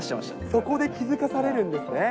そこで気付かされるんですね。